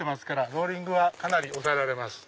ローリングかなり抑えられます。